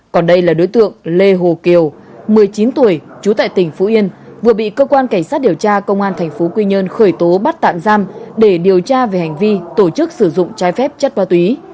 còn đây là đối tượng lê hồ kiều một mươi chín tuổi trú tại tỉnh phú yên vừa bị cơ quan cảnh sát điều tra công an tp quy nhơn khởi tố bắt tạm giam để điều tra về hành vi tổ chức sử dụng trái phép chất ma túy